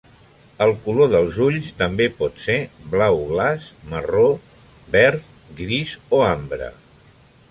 El color dels ulls també pot ser blau glaç, marró, verd, gris o ambre.